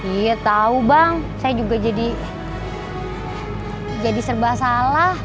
iya tau bang saya juga jadi serba salah